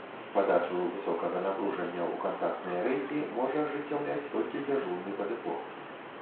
Падачу высокага напружання ў кантактныя рэйкі можа ажыццяўляць толькі дзяжурны па дэпо.